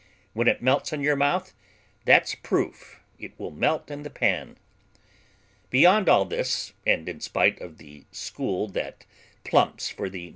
When it melts in your mouth, that's proof it will melt in the pan. Beyond all this (and in spite of the school that plumps for the No.